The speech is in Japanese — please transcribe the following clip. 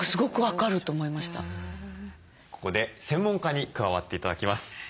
ここで専門家に加わって頂きます。